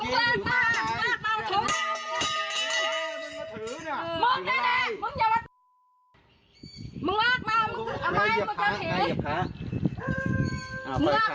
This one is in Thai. ละกูยังขนให้หมดเลยค่ะ